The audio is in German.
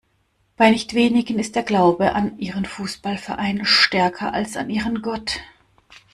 Bei nicht wenigen ist der Glaube an ihren Fußballverein stärker als an ihren Gott.